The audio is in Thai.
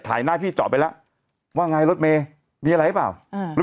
ถ่ายหน้าพี่จอดไปแล้วว่าไงรถเมย์มีอะไรหรือเปล่าอืม